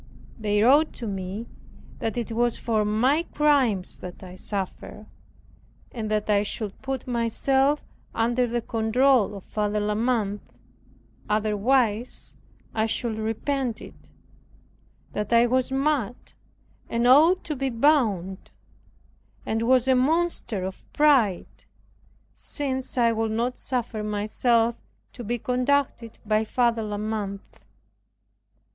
They wrote to me that it was for my crimes that I suffered and that I should put myself under the control of Father La Mothe, otherwise I should repent it; that I was mad and ought to be bound; and was a monster of pride, since I would not suffer myself to be conducted by Father La Mothe.